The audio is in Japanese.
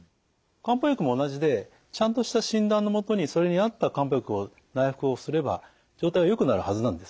漢方薬も同じでちゃんとした診断の下にそれに合った漢方薬を内服をすれば状態はよくなるはずなんです。